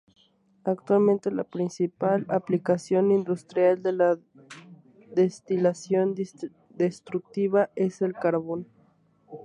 Actualmente la principal aplicación industrial de la destilación destructiva es el carbón.